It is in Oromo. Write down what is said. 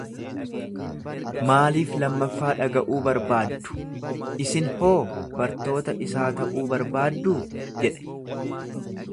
Maaliif lammaffaa dhaga'uu barbaaddu? Isin hoo bartoota isaa ta'uu barbaadduu? jedhe.